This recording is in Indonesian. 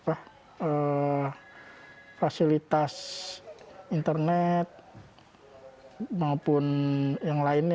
dia bisa lebih nyaman dan aman